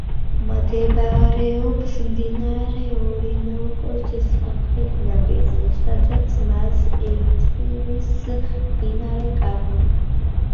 მდებარეობს მდინარე ორინოკოს სამხრეთ ნაპირზე, სადაც მას ერთვის მდინარე კარონი.